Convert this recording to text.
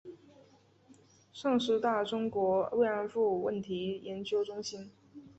上师大中国慰安妇问题研究中心